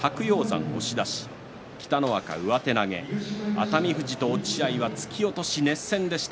熱海富士と落合は突き落とし熱戦でした。